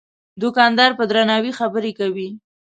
دوکاندار په درناوي خبرې کوي.